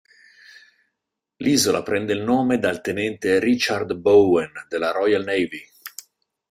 L'isola prende il nome dal tenente Richard Bowen della Royal Navy.